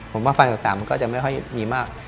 ผมว่าสภาพสนามก็จะไม่ค่อยมีมาก